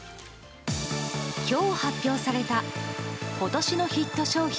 今日発表された今年のヒット商品